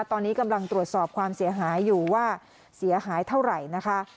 ตอนนี้กำลังตรวจสอบความเสียหายอยู่ว่าเสียหายเท่าไหร่นะคะ